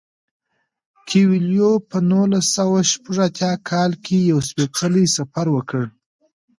کویلیو په نولس سوه شپږ اتیا کال کې یو سپیڅلی سفر وکړ.